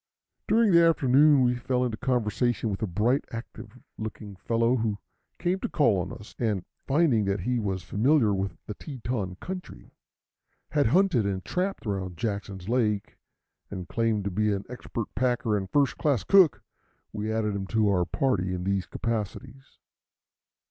During the afternoon we fell into conversation with a bright, active looking fellow who came to call on us; and, finding that he was familiar with the Teton country, had hunted and trapped around Jackson's Lake, and claimed to be an expert packer and first class cook, we added him to our party in these capacities.